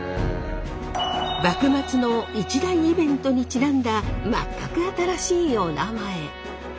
幕末の一大イベントにちなんだ全く新しいおなまえ。